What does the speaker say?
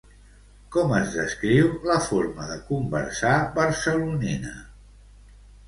Com es descriu la forma de conversar barcelonina?